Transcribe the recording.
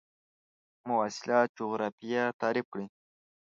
مواصلات جغرافیه تعریف کړئ.